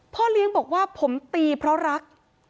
พ่อเลี้ยงบอกว่าผมตีเพราะรัก